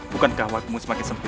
bukan kawatmu semakin sempit